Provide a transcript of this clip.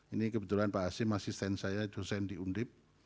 ini kebetulan pak hasim asisten saya jusen di undip